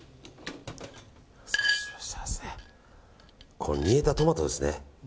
ここに煮えたトマトですね。